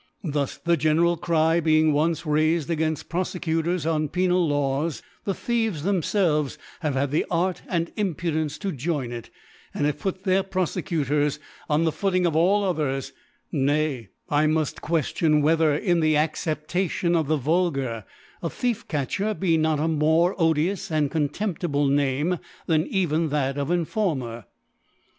Thus the general Cry being once raifed againft Prc^bcutors on penal Laws, the Thieves themfelvcs have had the Art and Impudence to join it, and have put their Profecutors on the Footing of all others : Nay I much queftion whether in the Acceptation of the Vulgar, a Thief catcher be not a more odious and contemp tible Name than even that of Informer.